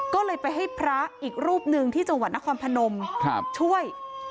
ก็เลยไปให้พระอีกรูปหนึ่งที่จังหวัดนครพนมช่วย